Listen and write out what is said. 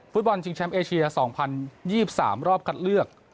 ฟุตบอลชิงแชมป์เอเชีย๒๐๒๓รอบคัดเลือก